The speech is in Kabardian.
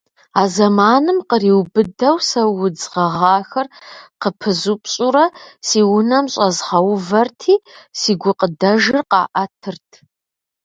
А зэманым къриубыдэу сэ удз гъэгъахэр къыпызупщӀурэ си унэм щӀэзгъэувэрти, си гукъыдэжыр къаӀэтырт.